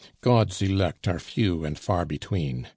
God's elect are few and far between.